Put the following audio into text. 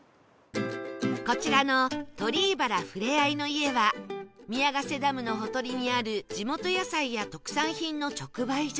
こちらの鳥居原ふれあいの館は宮ヶ瀬ダムのほとりにある地元野菜や特産品の直売所